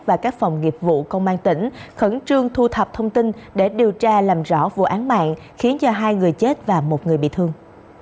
và các phòng nghiệp vụ công an tỉnh khẩn trương thu thập thông tin để điều tra làm rõ vụ án mạng khiến cho hai người chết và một người bị thương